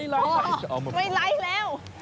ไหล่ไม่ไหล่แล้ว